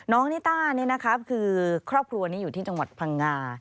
นิต้านี่นะครับคือครอบครัวนี้อยู่ที่จังหวัดพังงา